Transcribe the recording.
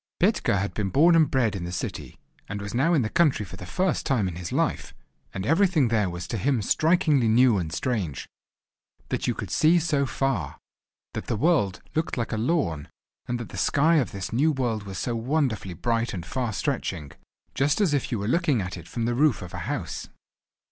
Petka had been born and bred in the city, and was now in the country for the first time in his life, and everything there was to him strikingly new and strange; that you could see so far; that the world looked like a lawn; and that the sky of this new world was so wonderfully bright and far stretching—just as if you were looking at it from the roof of a house!